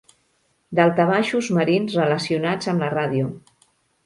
Daltabaixos marins relacionats amb la ràdio.